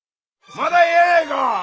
まだええやないか！